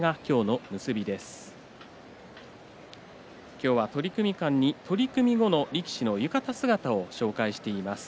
今日は取組間に取組後の力士の浴衣姿を紹介しています。